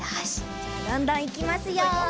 じゃどんどんいきますよ！